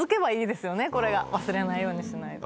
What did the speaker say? これが忘れないようにしないと。